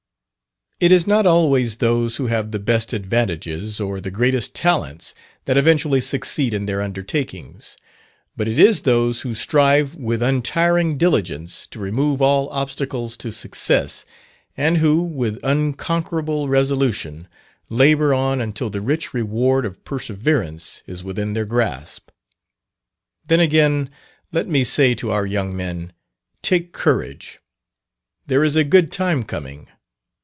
It is not always those who have the best advantages, or the greatest talents, that eventually succeed in their undertakings; but it is those who strive with untiring diligence to remove all obstacles to success, and who, with unconquerable resolution, labour on until the rich reward of perseverance is within their grasp. Then again let me say to our young men Take courage; "There is a good time coming."